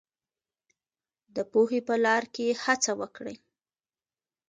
د پوهې په لار کې هڅه وکړئ.